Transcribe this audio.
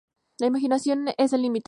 La imaginación es el límite.